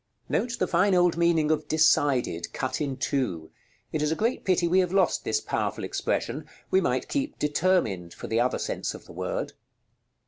Note the fine old meaning of "discided," cut in two; it is a great pity we have lost this powerful expression. We might keep "determined" for the other sense of the word.